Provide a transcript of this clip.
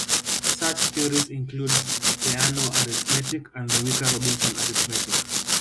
Such theories include Peano arithmetic and the weaker Robinson arithmetic.